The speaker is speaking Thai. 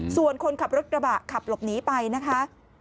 ส่วนคนขับรถกระบะขับหลบหนีไปนะคะ